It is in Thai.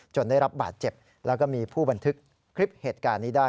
ได้รับบาดเจ็บแล้วก็มีผู้บันทึกคลิปเหตุการณ์นี้ได้